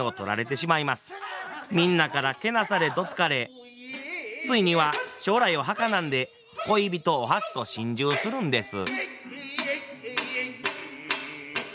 みんなからけなされどつかれついには将来をはかなんで恋人お初と心中するんです。